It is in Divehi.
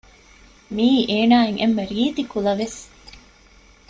މިއީ އޭނާއަށް އެންމެ ރީތި ކުލަވެސް